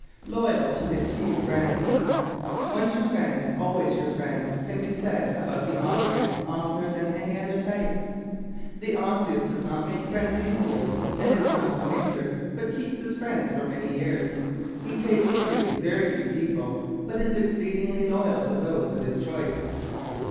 Loyal to His Few Friends ¶ "Once your friend always your friend" can be said about the Osseous oftener than any other type. ¶ The Osseous does not make friends easily and is not a "mixer" but keeps his friends for many years. He "takes to" very few people but is exceedingly loyal to those of his choice.